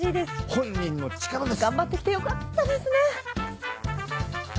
本人の力です！頑張って来てよかったですね！